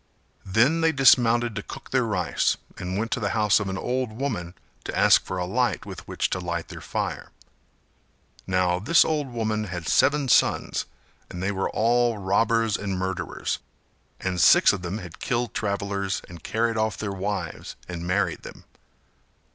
Then they dismounted to cook their rice, and went to the house of an old woman to ask for a light with which to light their fire. Now this old woman had seven sons and they were all robbers and murderers; and six of them had killed travellers and carried off their wives and married them.